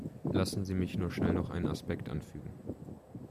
Lassen Sie mich nur schnell noch einen Aspekt anfügen.